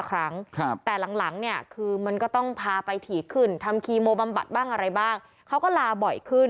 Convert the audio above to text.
ครั้งล่าสุดผมกลับมาเนี่ยตั้งไว้๒๕บาทครับ